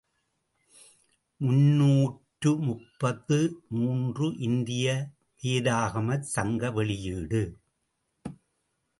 முன்னூற்று முப்பத்து மூன்று, இந்திய வேதாகமச் சங்க வெளியீடு.